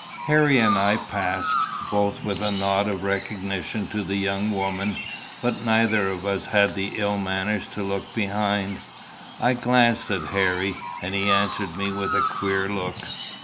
Harry and I passed, both with a nod of recognition to the young woman, but neither of us had the ill manners to look behind. I glanced at Harry, and he answered me with a queer look.